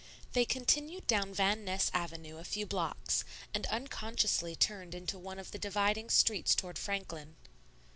They continued down Van Ness Avenue a few blocks, and unconsciously turned into one of the dividing streets toward Franklin.